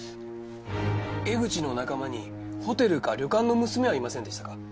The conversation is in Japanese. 江口の仲間にホテルか旅館の娘はいませんでしたか？